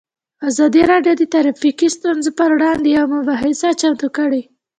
ازادي راډیو د ټرافیکي ستونزې پر وړاندې یوه مباحثه چمتو کړې.